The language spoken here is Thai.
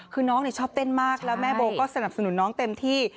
คือน้องชอบเต้นมากแล้วแม่โบก็สนับสนุนน้องเต็มที่